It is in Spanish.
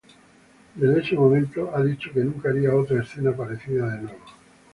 Desde ese momento ha dicho que nunca haría otra escena parecida de nuevo.